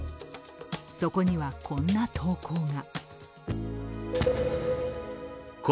そこにはこんな投稿が。